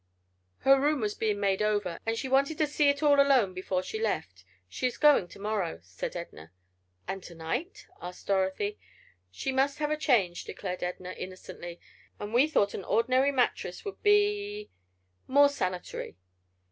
"Her room was being made over, and she wanted to see it all alone before she left. She is going to morrow," said Edna. "And to night?" asked Dorothy. "She must have a change," declared Edna, innocently, "and we thought an ordinary mattress would be—more sanitary."